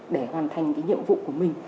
để hoàn thành cái nhiệm vụ của mình